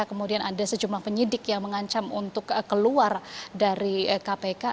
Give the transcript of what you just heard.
kemudian ada sejumlah penyidik yang mengancam untuk keluar dari kpk